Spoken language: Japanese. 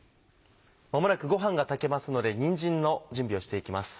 間もなくごはんが炊けますのでにんじんの準備をしていきます。